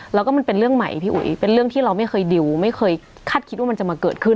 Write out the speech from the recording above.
แล้วก็มันเป็นเรื่องใหม่พี่อุ๋ยเป็นเรื่องที่เราไม่เคยดิวไม่เคยคาดคิดว่ามันจะมาเกิดขึ้น